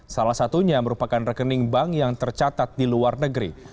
salah satunya merupakan rekening bank yang tercatat di luar negeri